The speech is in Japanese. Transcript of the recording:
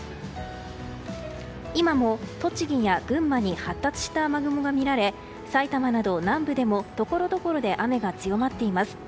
今も栃木や群馬に発達した雨雲がみられ埼玉など南部でもところどころで雨が強まっています。